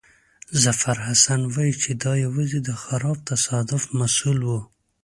ظفرحسن وایي چې دا یوازې د خراب تصادف محصول وو.